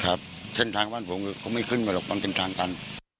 ครับเส้นทางบ้านผมก็ไม่ขึ้นมาหรอกมันเป็นทางตัน